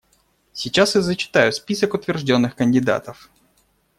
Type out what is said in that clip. Сейчас я зачитаю список утвержденных кандидатов.